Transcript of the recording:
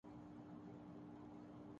نئے مکان میں کھڑکی نہیں بناؤں گا